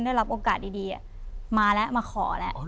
ได้รับโอกาสดีมาแล้วมาขอแล้ว